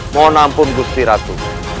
mohon ampun gusti prabu